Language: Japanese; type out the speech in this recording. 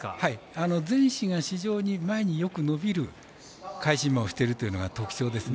前肢が非常に前によく伸びる返し馬としているというのが特徴ですね。